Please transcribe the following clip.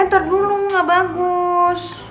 enter dulu gak bagus